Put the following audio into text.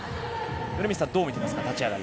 米満さん、どう見ていますか？